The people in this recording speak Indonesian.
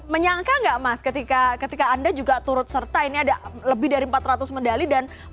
menyangka gak mas ketika anda juga turut serta ini ada lebih dari empat ratus medali dan mas solidin ini tiga di antaranya